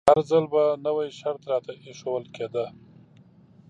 هر ځل به نوی شرط راته ایښودل کیده.